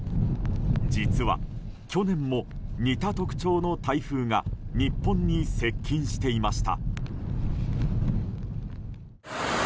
実は、去年も似た特徴の台風が日本に接近していました。